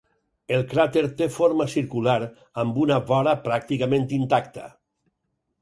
El cràter té forma circular, amb una vora pràcticament intacta.